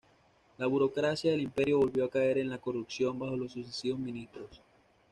La burocracia del Imperio volvió a caer en la corrupción bajo los sucesivos ministros.